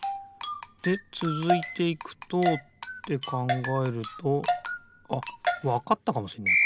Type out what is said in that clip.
でつづいていくとってかんがえるとあっわかったかもしんない